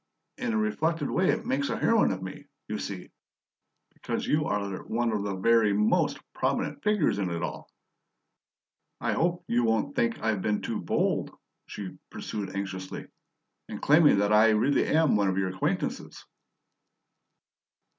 In a reflected way it makes a heroine of me, you see, because you are one of the very MOST prominent figures in it all. I hope you won't think I've been too bold," she pursued anxiously, "in claiming that I really am one of your acquaintances?"